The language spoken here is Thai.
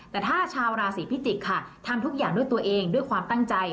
แต่ถ้าชาวราศีพิจิกษ์ค่ะทำทุกอย่างด้วยตัวเองด้วยความตั้งใจ